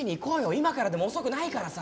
今からでも遅くないからさ！